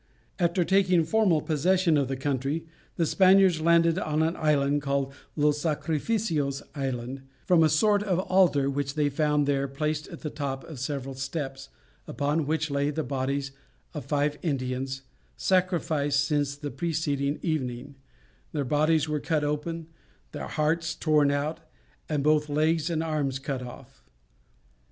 After taking formal possession of the country, the Spaniards landed on an island called Los Sacrificios Island, from a sort of altar which they found there placed at the top of several steps, upon which lay the bodies of five Indians sacrificed since the preceding evening; their bodies were cut open, their hearts torn out, and both legs and arms cut off.